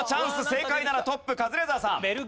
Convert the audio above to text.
正解ならトップカズレーザーさん。